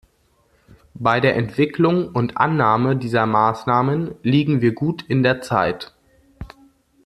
Bei der Entwicklung und Annahme dieser Maßnahmen liegen wir gut in der Zeit.